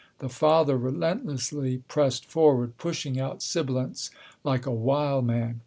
The father relentlessly pressed forward, pushing out sibilants, like a wild man.